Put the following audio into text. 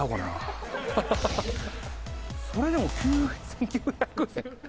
それでも９９００円。